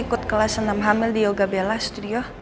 ikut kelas enam hamil di yoga bella studio